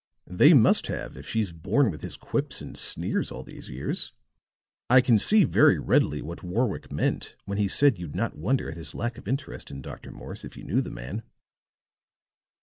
"They must have if she's borne with his quips and sneers all these years. I can see very readily what Warwick meant when he said you'd not wonder at his lack of interest in Dr. Morse if you knew the man."